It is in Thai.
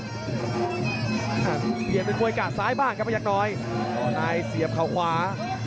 มันนี้เป็นมวยกระซ้ายบ้างกับมัยักษ์น้อยพ่อน่ายเสียบเขาขวา